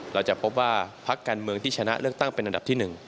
เราจะพบว่าพักการเมืองที่ชนะเลือกตั้งเป็นอันดับที่๑